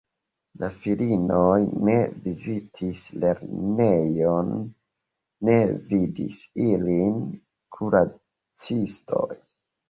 La filinoj ne vizitis lernejon, ne vidis ilin kuracistoj.